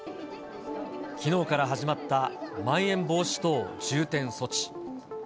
きのうから始まったまん延防止等重点措置。